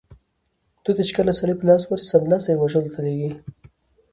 دوی ته چې کله سړي په لاس ورسي سمدلاسه یې وژلو ته لېږي.